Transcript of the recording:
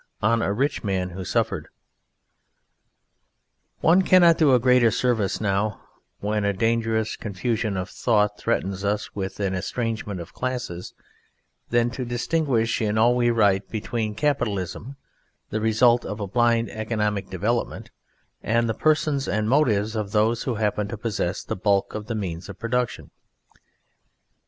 ON A RICH MAN WHO SUFFERED One cannot do a greater service now, when a dangerous confusion of thought threatens us with an estrangement of classes, than to distinguish in all we write between Capitalism the result of a blind economic development and the persons and motives of those who happen to possess the bulk of the means of Production.